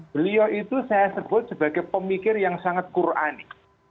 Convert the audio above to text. beliau itu saya sebut sebagai pemikir yang sangat quran